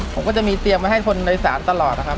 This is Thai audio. ผมก็จะมีเตรียมไว้ให้คนในศาลตลอดนะครับ